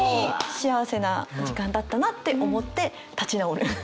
幸せな時間だったなって思って立ち直る。